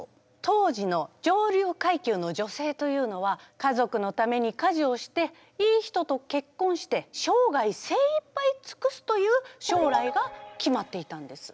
当時の上流階級の女性というのは家族のために家事をしていい人と結婚して生涯精いっぱい尽くすという将来が決まっていたんです。